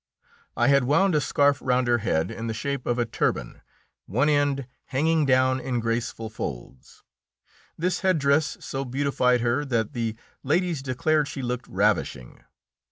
I had wound a scarf round her head in the shape of a turban, one end hanging down in graceful folds. This head dress so beautified her that the ladies declared she looked ravishing.